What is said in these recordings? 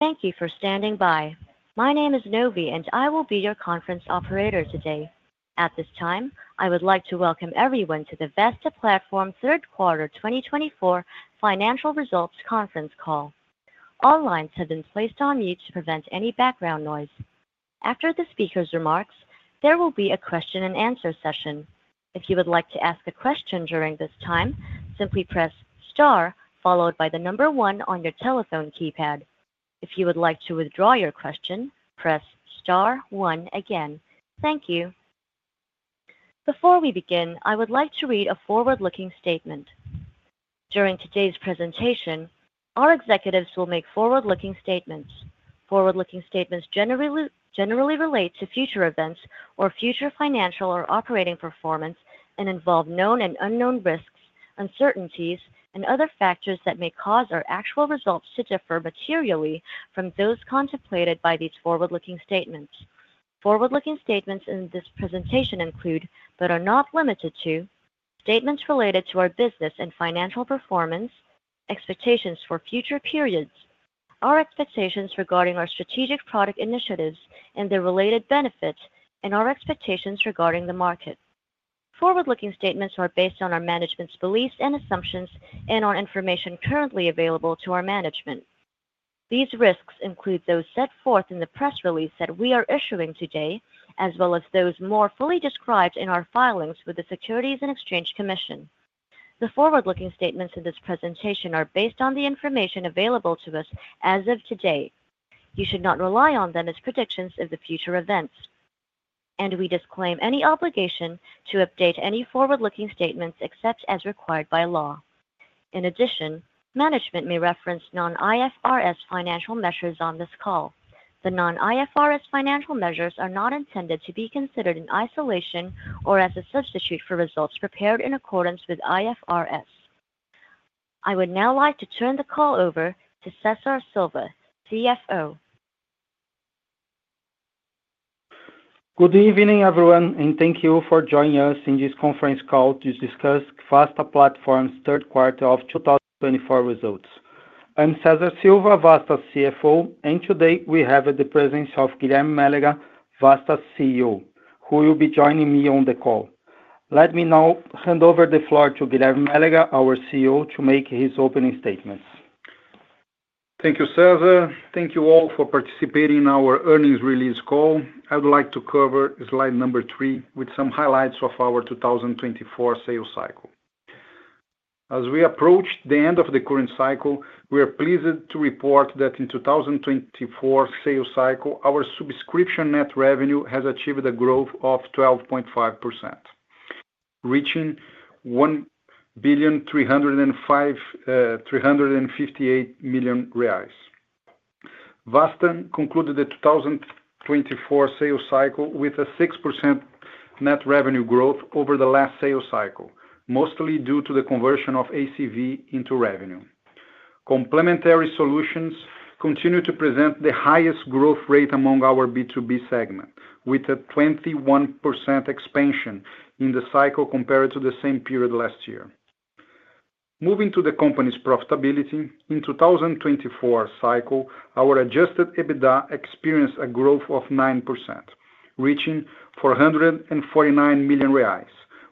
Thank you for standing by. My name is Novi, and I will be your conference operator today. At this time, I would like to welcome everyone to the Vasta Platform Third Quarter 2024 Financial Results Conference Call. All lines have been placed on mute to prevent any background noise. After the speaker's remarks, there will be a question-and-answer session. If you would like to ask a question during this time, simply press star followed by the number one on your telephone keypad. If you would like to withdraw your question, press star one again. Thank you. Before we begin, I would like to read a forward-looking statement. During today's presentation, our executives will make forward-looking statements. Forward-looking statements generally relate to future events or future financial or operating performance and involve known and unknown risks, uncertainties, and other factors that may cause our actual results to differ materially from those contemplated by these forward-looking statements. Forward-looking statements in this presentation include, but are not limited to, statements related to our business and financial performance, expectations for future periods, our expectations regarding our strategic product initiatives and their related benefits, and our expectations regarding the market. Forward-looking statements are based on our management's beliefs and assumptions and on information currently available to our management. These risks include those set forth in the press release that we are issuing today, as well as those more fully described in our filings with the Securities and Exchange Commission. The forward-looking statements in this presentation are based on the information available to us as of today. You should not rely on them as predictions of the future events. And we disclaim any obligation to update any forward-looking statements except as required by law. In addition, management may reference non-IFRS financial measures on this call. The non-IFRS financial measures are not intended to be considered in isolation or as a substitute for results prepared in accordance with IFRS. I would now like to turn the call over to Cesar Silva, CFO. Good evening, everyone, and thank you for joining us in this conference call to discuss Vasta Platform's Third Quarter of 2024 results. I'm Cesar Silva, Vasta CFO, and today we have the presence of Guilherme Mélega, Vasta CEO, who will be joining me on the call. Let me now hand over the floor to Guilherme Mélega, our CEO, to make his opening statements. Thank you, Cesar. Thank you all for participating in our earnings release call. I would like to cover slide number three with some highlights of our 2024 sales cycle. As we approach the end of the current cycle, we are pleased to report that in the 2024 sales cycle, our subscription net revenue has achieved a growth of 12.5%, reaching 1,358 million reais. Vasta concluded the 2024 sales cycle with a 6% net revenue growth over the last sales cycle, mostly due to the conversion of ACV into revenue. Complementary solutions continue to present the highest growth rate among our B2B segment, with a 21% expansion in the cycle compared to the same period last year. Moving to the company's profitability, in the 2024 cycle, our adjusted EBITDA experienced a growth of 9%, reaching 449 million reais,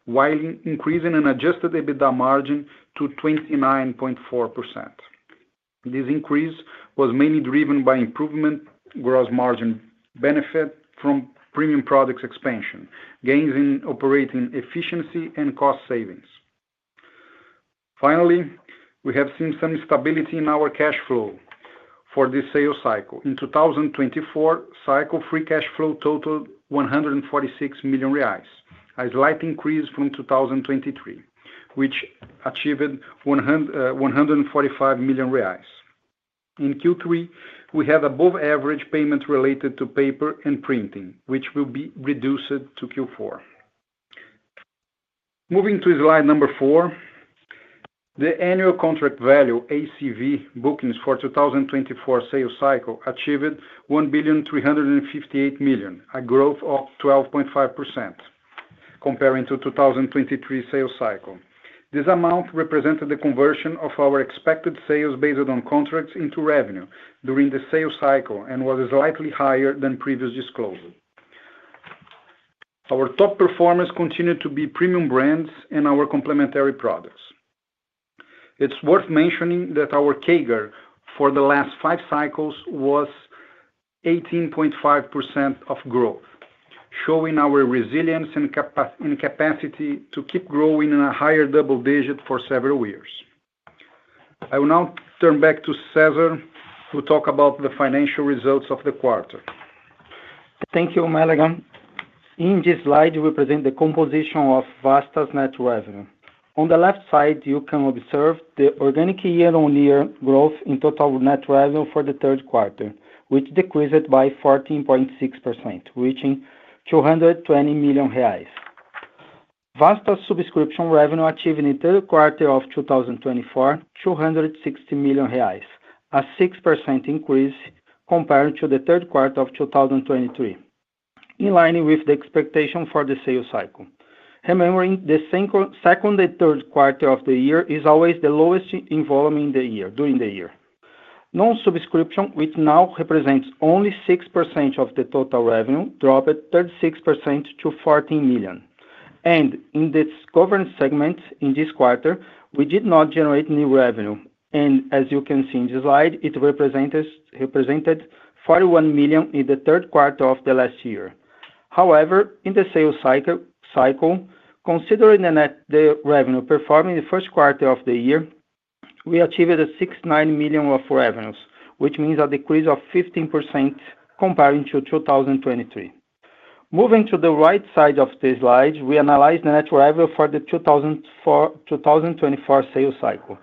while increasing an adjusted EBITDA margin to 29.4%. This increase was mainly driven by improvement in gross margin benefit from premium products expansion, gains in operating efficiency, and cost savings. Finally, we have seen some stability in our cash flow for this sales cycle. In the 2024 cycle, free cash flow totaled 146 million reais, a slight increase from 2023, which achieved 145 million reais. In Q3, we had above-average payments related to paper and printing, which will be reduced to Q4. Moving to slide number four, the Annual Contract Value (ACV) bookings for the 2024 sales cycle achieved 1,358 million, a growth of 12.5% compared to the 2023 sales cycle. This amount represented the conversion of our expected sales based on contracts into revenue during the sales cycle and was slightly higher than previously disclosed. Our top performers continue to be premium brands and our complementary products. It's worth mentioning that our CAGR for the last five cycles was 18.5% of growth, showing our resilience and capacity to keep growing in a higher double digit for several years. I will now turn back to Cesar, who will talk about the financial results of the quarter. Thank you, Mélega. In this slide, we present the composition of Vasta's net revenue. On the left side, you can observe the organic year-on-year growth in total net revenue for the third quarter, which decreased by 14.6%, reaching 220 million reais. Vasta's subscription revenue achieved in the third quarter of 2024 was 260 million reais, a 6% increase compared to the third quarter of 2023, in line with the expectation for the sales cycle. Remembering, the second and third quarter of the year is always the lowest in volume during the year. Non-subscription, which now represents only 6% of the total revenue, dropped 36% to 14 million. And in the other segment in this quarter, we did not generate new revenue. And as you can see in this slide, it represented 41 million in the third quarter of the last year. However, in the sales cycle, considering the net revenue performed in the first quarter of the year, we achieved 69 million of revenues, which means a decrease of 15% compared to 2023. Moving to the right side of the slide, we analyze the net revenue for the 2024 sales cycle.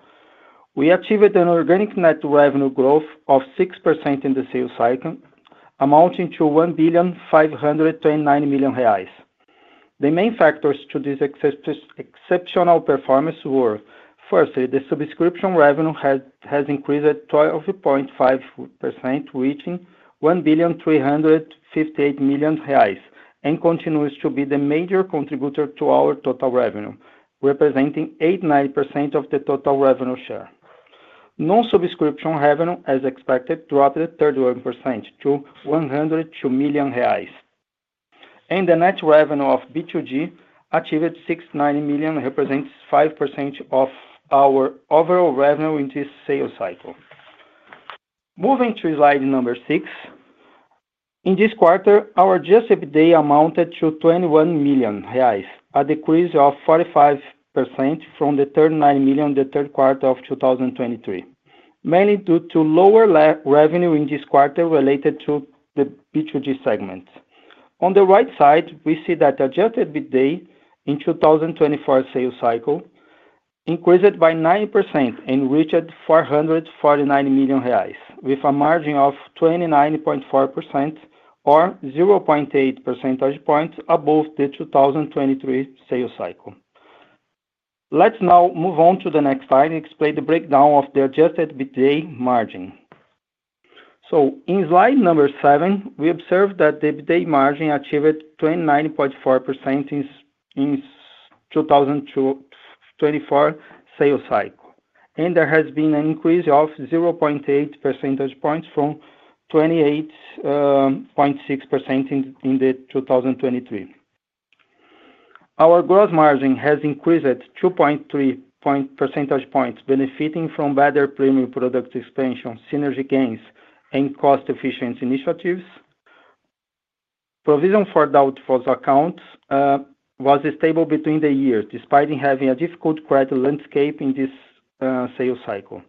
We achieved an organic net revenue growth of 6% in the sales cycle, amounting to 1,529 million reais. The main factors to this exceptional performance were, firstly, the subscription revenue has increased 12.5%, reaching 1,358 million reais, and continues to be the major contributor to our total revenue, representing 89% of the total revenue share. Non-subscription revenue, as expected, dropped 31% to 102 million reais, and the net revenue of B2G achieved 69 million, represents 5% of our overall revenue in this sales cycle. Moving to slide number six. In this quarter, our adjusted EBITDA amounted to 21 million reais, a decrease of 45% from the 39 million in the third quarter of 2023, mainly due to lower revenue in this quarter related to the B2G segment. On the right side, we see that adjusted EBITDA in the 2024 sales cycle increased by 9% and reached 449 million reais, with a margin of 29.4% or 0.8 percentage points above the 2023 sales cycle. Let's now move on to the next slide and explain the breakdown of the adjusted EBITDA margin. In slide number seven, we observe that the EBITDA margin achieved 29.4% in the 2024 sales cycle, and there has been an increase of 0.8 percentage points from 28.6% in the 2023. Our gross margin has increased 2.3 percentage points, benefiting from better premium product expansion, synergy gains, and cost-efficient initiatives. Provision for Doubtful Accounts was stable between the years, despite having a difficult credit landscape in this sales cycle.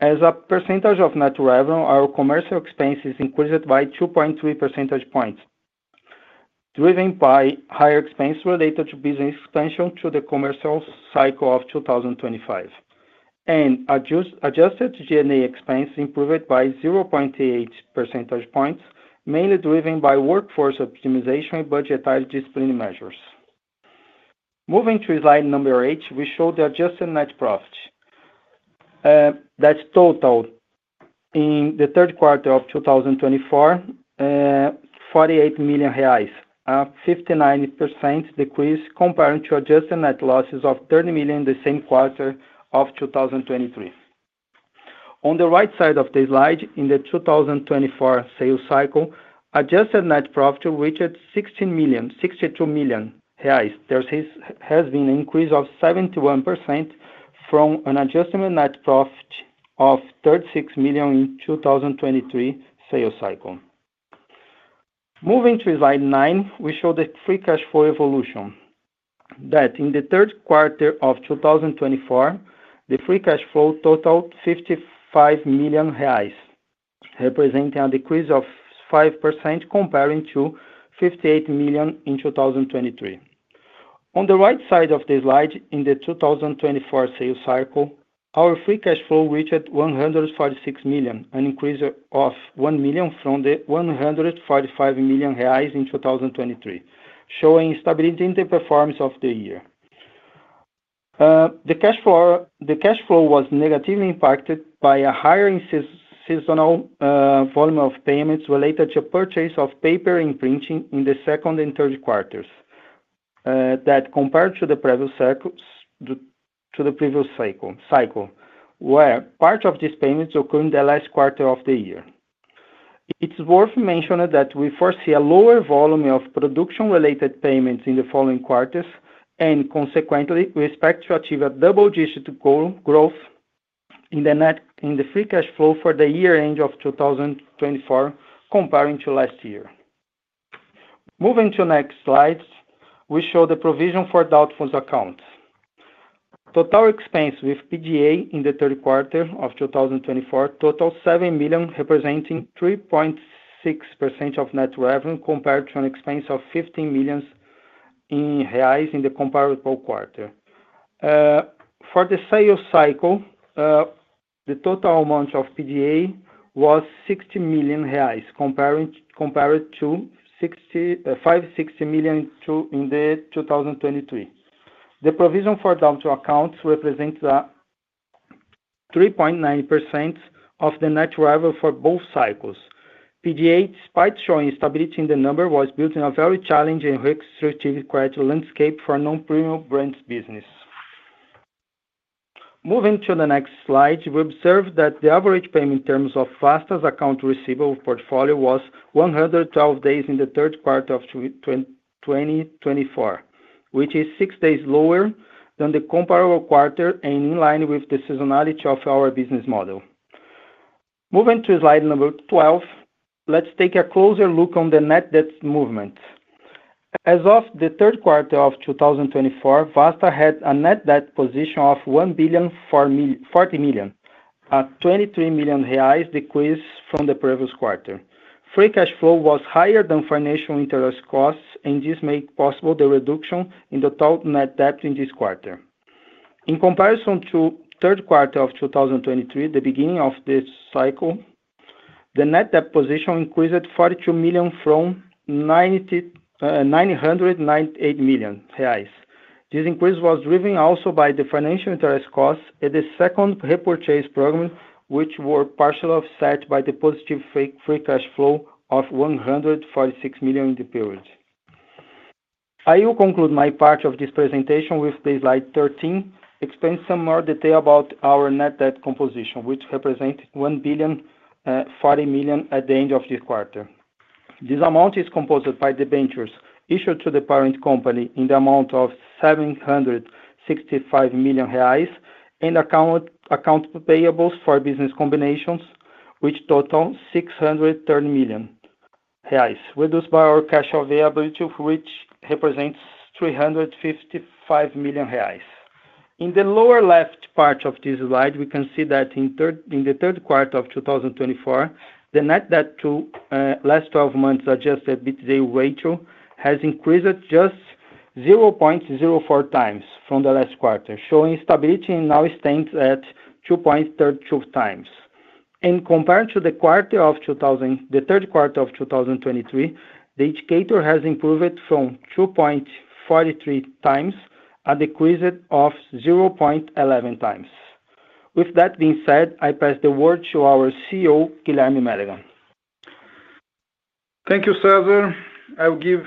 As a percentage of net revenue, our commercial expenses increased by 2.3 percentage points, driven by higher expenses related to business expansion to the commercial cycle of 2025. Adjusted G&A expenses improved by 0.8 percentage points, mainly driven by workforce optimization and budgetary disciplinary measures. Moving to slide number eight, we show the adjusted net profit that totaled in the third quarter of 2024 48 million reais, a 59% decrease compared to adjusted net losses of 30 million in the same quarter of 2023. On the right side of the slide, in the 2024 sales cycle, adjusted net profit reached 16 million, 62 million reais. There has been an increase of 71% from an adjusted net profit of 36 million in the 2023 sales cycle. Moving to slide nine, we show the Free Cash Flow evolution. In the third quarter of 2024, the Free Cash Flow totaled 55 million reais, representing a decrease of 5% compared to 58 million in 2023. On the right side of the slide, in the 2024 sales cycle, our Free Cash Flow reached 146 million, an increase of 1 million from the 145 million reais in 2023, showing stability in the performance of the year. The cash flow was negatively impacted by a higher seasonal volume of payments related to purchase of paper and printing in the second and third quarters that compared to the previous cycle, where part of these payments occurred in the last quarter of the year. It's worth mentioning that we foresee a lower volume of production-related payments in the following quarters and, consequently, we expect to achieve a double-digit growth in the free cash flow for the year-end of 2024 compared to last year. Moving to the next slide, we show the provision for doubtful accounts. Total expenses with PGA in the third quarter of 2024 totaled 7 million, representing 3.6% of net revenue compared to an expense of 15 million reais in the comparable quarter. For the sales cycle, the total amount of PGA was 60 million reais compared to 560 million in 2023. The provision for doubtful accounts represents 3.9% of the net revenue for both cycles. PGA, despite showing stability in the number, was built in a very challenging and restrictive credit landscape for non-premium brand business. Moving to the next slide, we observe that the average payment terms of Vasta's account receivable portfolio was 112 days in the third quarter of 2024, which is six days lower than the comparable quarter and in line with the seasonality of our business model. Moving to slide number 12, let's take a closer look on the net debt movement. As of the third quarter of 2024, Vasta had a net debt position of 1,040 million, a 23 million reais decrease from the previous quarter. Free cash flow was higher than financial interest costs, and this made possible the reduction in the total net debt in this quarter. In comparison to the third quarter of 2023, the beginning of this cycle, the net debt position increased 42 million from 998 million reais. This increase was driven also by the financial interest costs and the second repurchase program, which were partially offset by the positive free cash flow of 146 million in the period. I will conclude my part of this presentation with slide 13, explaining some more detail about our net debt composition, which represents 1,040 million at the end of this quarter. This amount is composed by the debentures issued to the parent company in the amount of 765 million reais and accounts payable for business combinations, which total 630 million reais, reduced by our cash availability, which represents 355 million reais. In the lower left part of this slide, we can see that in the third quarter of 2024, the net debt to last 12 months adjusted EBITDA ratio has increased just 0.04 times from the last quarter, showing stability and now stands at 2.32 times. Compared to the third quarter of 2023, the indicator has improved from 2.43 times and decreased of 0.11 times. With that being said, I pass the word to our CEO, Guilherme Mélega. Thank you, Cesar. I will give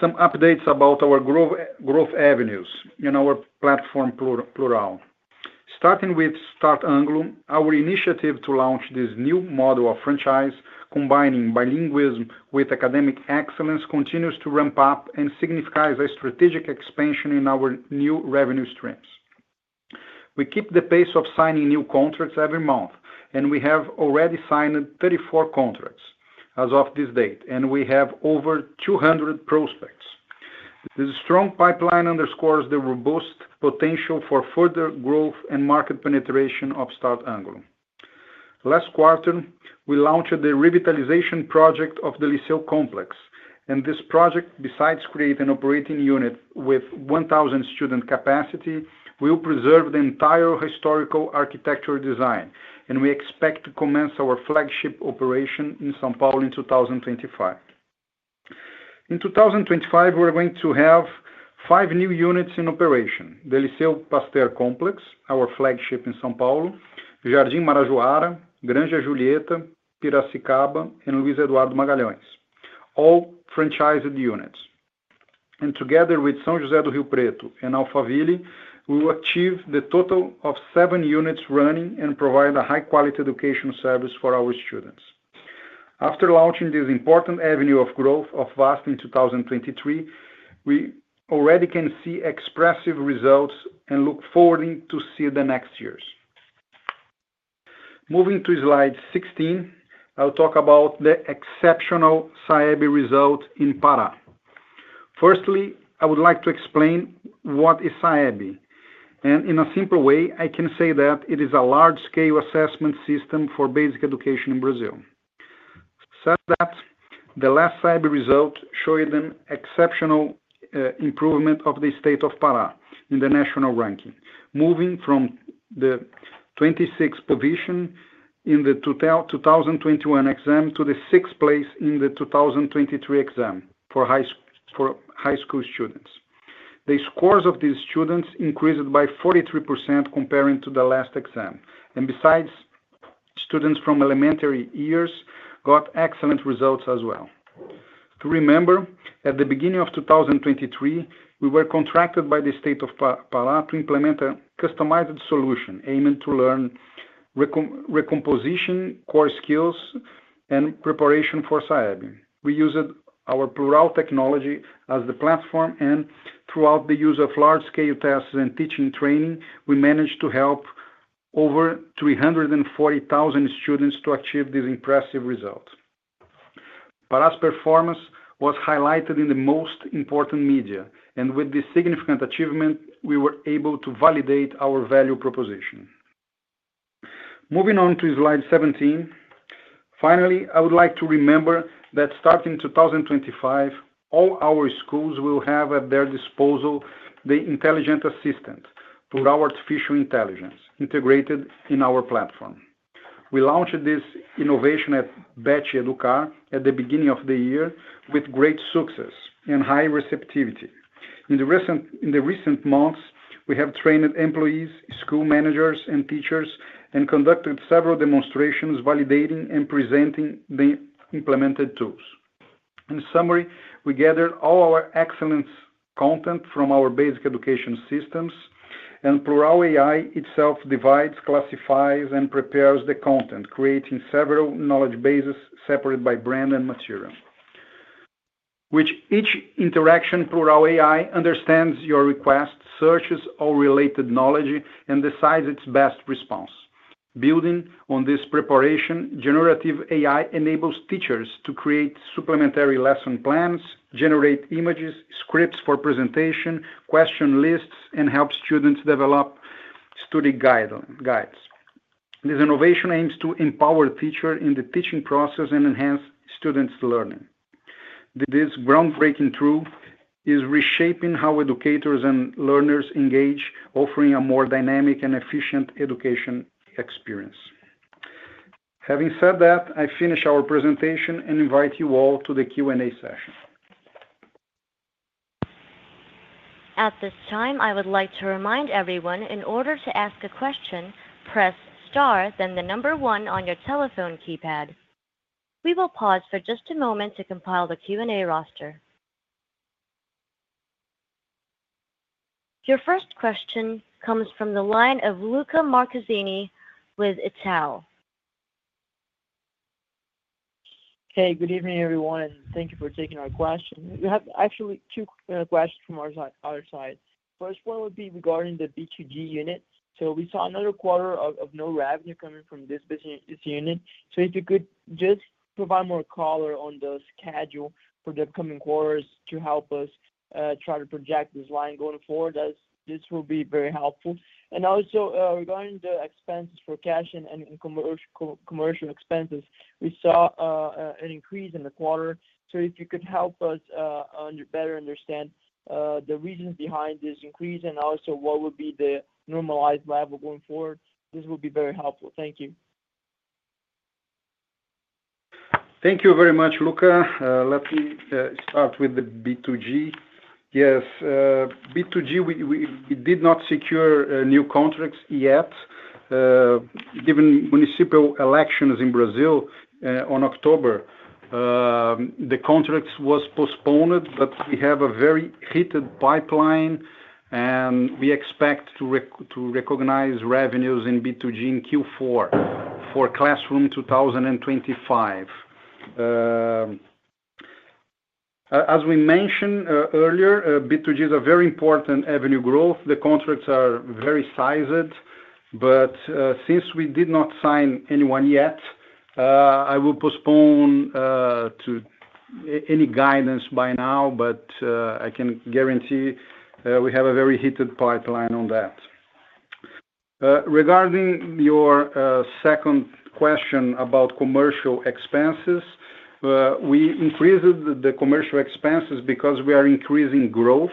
some updates about our growth avenues in our platform Plural. Starting with Start Anglo, our initiative to launch this new model of franchise combining bilingualism with academic excellence continues to ramp up and signifies a strategic expansion in our new revenue streams. We keep the pace of signing new contracts every month, and we have already signed 34 contracts as of this date, and we have over 200 prospects. This strong pipeline underscores the robust potential for further growth and market penetration of Start Anglo. Last quarter, we launched the revitalization project of the Liceo Complex, and this project, besides creating an operating unit with 1,000 student capacity, will preserve the entire historical architecture design, and we expect to commence our flagship operation in São Paulo in 2025. In 2025, we're going to have five new units in operation: the Liceo Pasteur Complex, our flagship in São Paulo, Jardim Marajoara, Granja Julieta, Piracicaba, and Luis Eduardo Magalhães, all franchised units, and together with São José do Rio Preto and Alphaville, we will achieve the total of seven units running and provide a high-quality education service for our students. After launching this important avenue of growth of Vasta in 2023, we already can see expressive results and look forward to seeing the next years. Moving to slide 16, I'll talk about the exceptional SAEB result in Pará. Firstly, I would like to explain what is SAEB, and in a simple way, I can say that it is a large-scale assessment system for basic education in Brazil. Such that the last SAEB result showed an exceptional improvement of the state of Pará in the national ranking, moving from the 26th position in the 2021 exam to the 6th place in the 2023 exam for high school students. The scores of these students increased by 43% compared to the last exam, and besides, students from elementary years got excellent results as well. To remember, at the beginning of 2023, we were contracted by the state of Pará to implement a customized solution aiming to learn recomposition core skills and preparation for SAEB. We used our Plural technology as the platform, and throughout the use of large-scale tests and teaching training, we managed to help over 340,000 students to achieve this impressive result. Pará's performance was highlighted in the most important media, and with this significant achievement, we were able to validate our value proposition. Moving on to slide 17, finally, I would like to remember that starting in 2025, all our schools will have at their disposal the Intelligent Assistant, Plural AI, integrated in our platform. We launched this innovation at Bett Educar at the beginning of the year with great success and high receptivity. In the recent months, we have trained employees, school managers, and teachers, and conducted several demonstrations validating and presenting the implemented tools. In summary, we gathered all our excellent content from our basic education systems, and Plural AI itself divides, classifies, and prepares the content, creating several knowledge bases separated by brand and material, which each interaction Plural AI understands your requests, searches, or related knowledge, and decides its best response. Building on this preparation, generative AI enables teachers to create supplementary lesson plans, generate images, scripts for presentation, question lists, and help students develop study guides. This innovation aims to empower teachers in the teaching process and enhance students' learning. This groundbreaking truth is reshaping how educators and learners engage, offering a more dynamic and efficient education experience. Having said that, I finish our presentation and invite you all to the Q&A session. At this time, I would like to remind everyone, in order to ask a question, press star, then the number one on your telephone keypad. We will pause for just a moment to compile the Q&A roster. Your first question comes from the line of Lucca Marquezini with Itaú BBA. Hey, good evening, everyone, and thank you for taking our question. We have actually two questions from our side. First one would be regarding the B2G unit. So we saw another quarter of no revenue coming from this unit. So if you could just provide more color on the schedule for the upcoming quarters to help us try to project this line going forward, this will be very helpful. And also, regarding the G&A and commercial expenses, we saw an increase in the quarter. So if you could help us better understand the reasons behind this increase and also what would be the normalized level going forward, this will be very helpful. Thank you. Thank you very much, Lucca. Let me start with the B2G. Yes, B2G, we did not secure new contracts yet. Given municipal elections in Brazil in October, the contract was postponed, but we have a very healthy pipeline, and we expect to recognize revenues in B2G in Q4 for calendar 2025. As we mentioned earlier, B2G is a very important avenue for growth. The contracts are very sizable, but since we did not sign anyone yet, I will postpone any guidance for now, but I can guarantee we have a very healthy pipeline on that. Regarding your second question about commercial expenses, we increased the commercial expenses because we are increasing growth.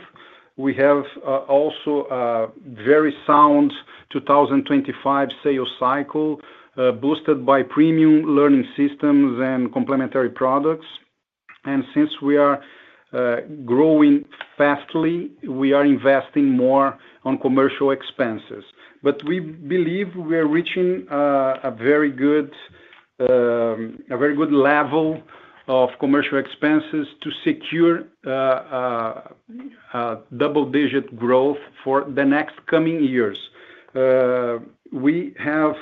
We have also a very sound 2025 sales cycle boosted by premium learning systems and complementary products. Since we are growing fast, we are investing more on commercial expenses. But we believe we are reaching a very good level of commercial expenses to secure double-digit growth for the next coming years. We have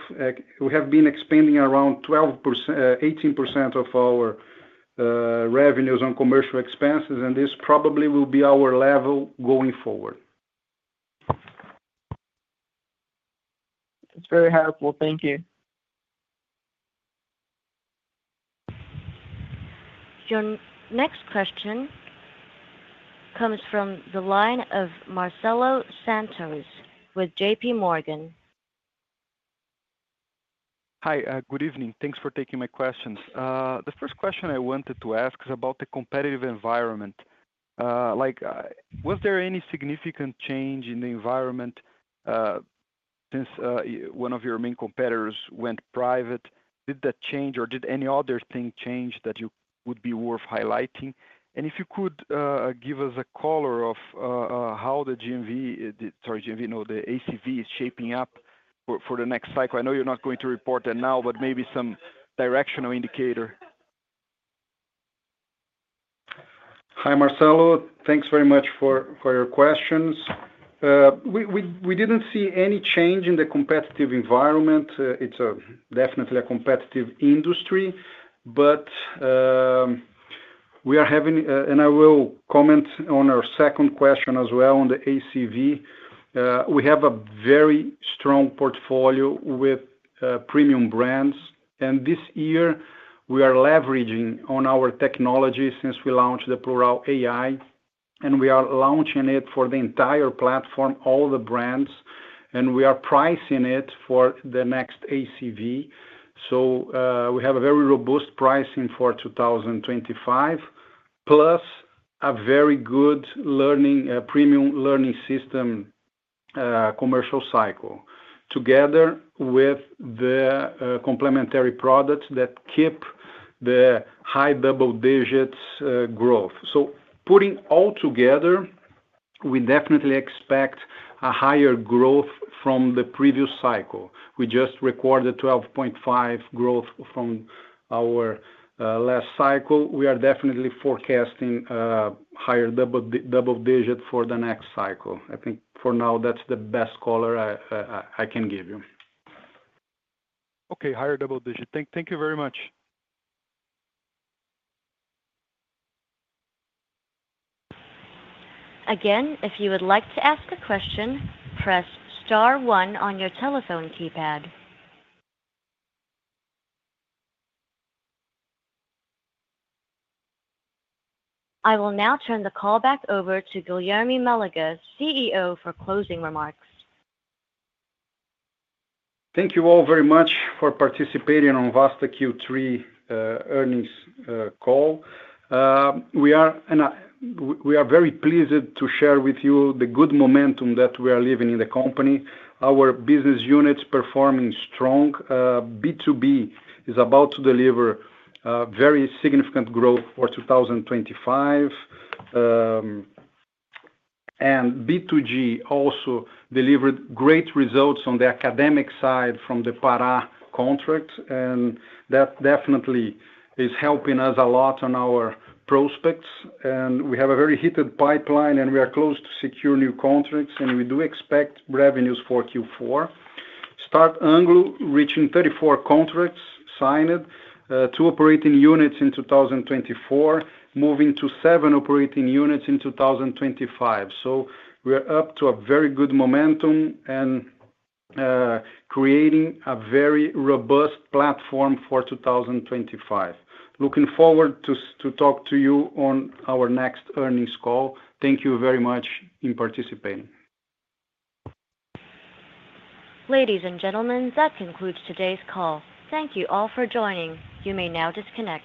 been expanding around 18% of our revenues on commercial expenses, and this probably will be our level going forward. That's very helpful. Thank you. Your next question comes from the line of Marcelo Santos with JPMorgan. Hi, good evening. Thanks for taking my questions. The first question I wanted to ask is about the competitive environment. Was there any significant change in the environment since one of your main competitors went private? Did that change, or did any other thing change that would be worth highlighting? And if you could give us a color of how the GMV, sorry, GMV, no, the ACV is shaping up for the next cycle. I know you're not going to report it now, but maybe some directional indicator. Hi, Marcelo. Thanks very much for your questions. We didn't see any change in the competitive environment. It's definitely a competitive industry, but we are having, and I will comment on our second question as well on the ACV. We have a very strong portfolio with premium brands, and this year, we are leveraging on our technology since we launched the Plural AI, and we are launching it for the entire platform, all the brands, and we are pricing it for the next ACV. So we have a very robust pricing for 2025, plus a very good premium learning system commercial cycle together with the complementary products that keep the high double-digit growth. So putting all together, we definitely expect a higher growth from the previous cycle. We just recorded 12.5 growth from our last cycle. We are definitely forecasting a higher double-digit for the next cycle. I think for now, that's the best color I can give you. Okay, higher double-digit. Thank you very much. Again, if you would like to ask a question, press star one on your telephone keypad. I will now turn the call back over to Guilherme Mélega, CEO, for closing remarks. Thank you all very much for participating on Vasta's Q3 earnings call. We are very pleased to share with you the good momentum that we are living in the company. Our business units are performing strong. B2B is about to deliver very significant growth for 2025. And B2G also delivered great results on the academic side from the Pará contract, and that definitely is helping us a lot on our prospects. And we have a very heated pipeline, and we are close to securing new contracts, and we do expect revenues for Q4. Start Anglo reaching 34 contracts signed, two operating units in 2024, moving to seven operating units in 2025. So we're up to a very good momentum and creating a very robust platform for 2025. Looking forward to talking to you on our next earnings call. Thank you very much for participating. Ladies and gentlemen, that concludes today's call. Thank you all for joining. You may now disconnect.